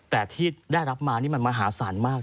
แต่ที่ได้รับมานี่มันมหาศาลมาก